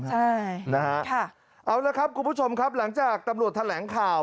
ใช่นะฮะเอาละครับคุณผู้ชมครับหลังจากตำรวจแถลงข่าว